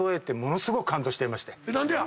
何でや⁉